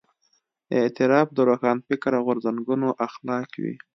اعتراف د روښانفکره غورځنګونو اخلاق وي.